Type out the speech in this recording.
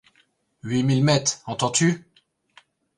Huit mille mètres, entends-tu !